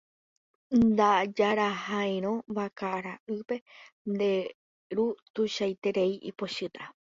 Ndajaraháirõ vakara'ýpe nde ru tuichaiterei ipochýta.